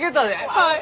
はい！